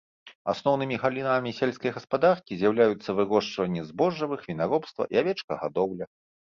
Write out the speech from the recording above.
Асноўнымі галінамі сельскай гаспадаркі з'яўляюцца вырошчванне збожжавых, вінаробства і авечкагадоўля.